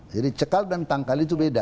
jadi cekal dan tangkal itu beda